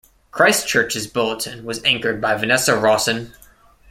Christchurch's bulletin was anchored by Vanessa Rawson.